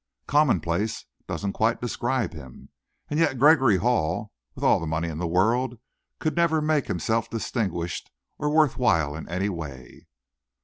"Commonplace doesn't quite describe him. And yet Gregory Hall, with all the money in the world, could never make himself distinguished or worth while in any way."